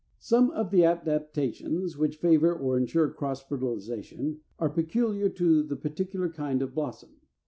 Some of the adaptations which favor or ensure cross fertilization are peculiar to the particular kind of blossom.